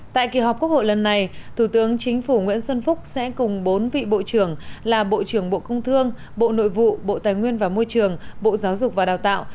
tại kỳ họp quốc hội lần này thủ tướng chính phủ nguyễn xuân phúc sẽ cùng bốn vị bộ trưởng là bộ trưởng bộ công thương bộ nội vụ bộ tài nguyên và môi trường bộ giáo dục và đào tạo